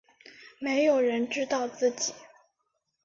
没有人知道自己